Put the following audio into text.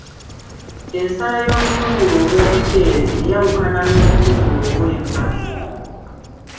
Ensala y'obutungulu obw'omuceere eyawakuna n'obutungulu obw'enva.